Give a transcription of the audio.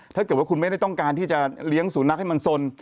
ถ้าเกิดว่าคุณไม่ได้ต้องการที่จะเลี้ยงสุนัขให้มันสน